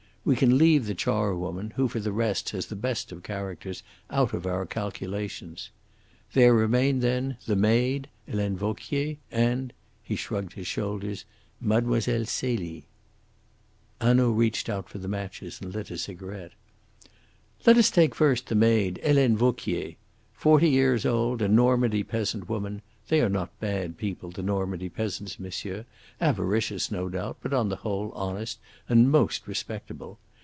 We can leave the charwoman, who for the rest has the best of characters, out of our calculations. There remain then, the maid, Helene Vauquier, and" he shrugged his shoulders "Mlle. Celie." Hanaud reached out for the matches and lit a cigarette. "Let us take first the maid, Helene Vauquier. Forty years old, a Normandy peasant woman they are not bad people, the Normandy peasants, monsieur avaricious, no doubt, but on the whole honest and most respectable.